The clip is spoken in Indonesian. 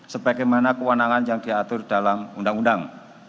sebagaimana kewenangan yang diatur dalam undang undang